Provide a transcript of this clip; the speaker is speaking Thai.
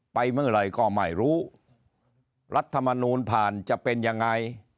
ไปเมื่อไหร่ก็ไม่รู้รัฐมนูลผ่านจะเป็นยังไง